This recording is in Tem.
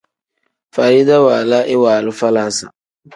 Farida waala iwaalu falaasa.